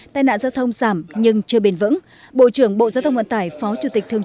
tai nạn giao thông giảm nhưng chưa bền vững